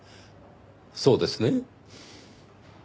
そうですね？